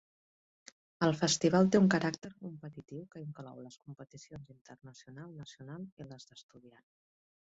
El festival té un caràcter competitiu que inclou les competicions Internacional, Nacional i les d'estudiant.